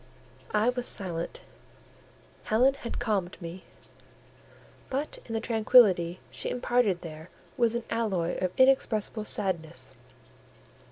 I was silent; Helen had calmed me; but in the tranquillity she imparted there was an alloy of inexpressible sadness.